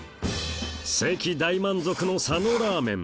関大満足の佐野ラーメン